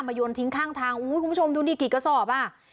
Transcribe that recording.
มาโยนทิ้งข้างทางคุณผู้ชมดูนี่กี่กระสอบ